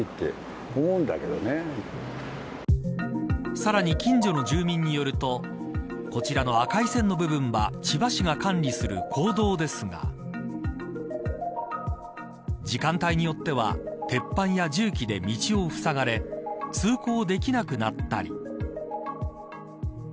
さらに、近所の住民によるとこちらの赤い線の部分は千葉市が管理する公道ですが時間帯によっては鉄板や重機で道をふさがれ通行できなくなったり。